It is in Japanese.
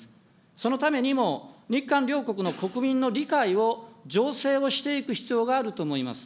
そのためにも、日韓両国の国民の理解を醸成をしていく必要があると思います。